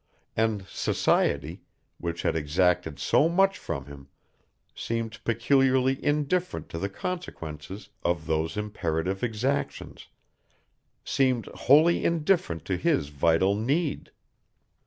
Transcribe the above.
And society, which had exacted so much from him, seemed peculiarly indifferent to the consequences of those imperative exactions, seemed wholly indifferent to his vital need.